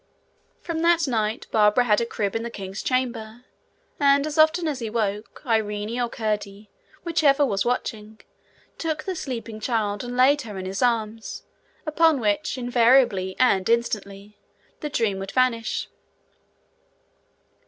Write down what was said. From that night Barbara had a crib in the king's chamber, and as often as he woke, Irene or Curdie, whichever was watching, took the sleeping child and laid her in his arms, upon which, invariably and instantly, the dream would vanish.